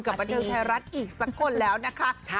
บันเทิงไทยรัฐอีกสักคนแล้วนะคะ